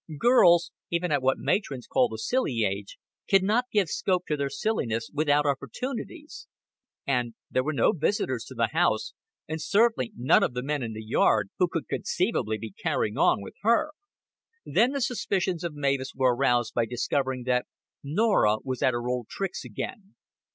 Girls, even at what matrons call the silly age, can not give scope to their silliness without opportunities; and there were no visitors to the house, and certainly none of the men in the yard, who could conceivably be carrying on with her. Then the suspicions of Mavis were aroused by discovering that Norah was at her old tricks again.